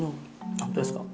本当ですか。